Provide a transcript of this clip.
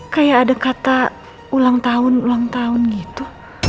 kayak ada kata ulang tahun ulang tahun gitu